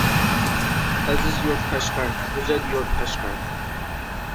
ئەزىز يۇرت قەشقەر، گۈزەل يۇرت قەشقەر.